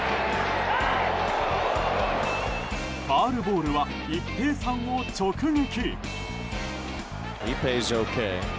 ファウルボールは一平さんを直撃。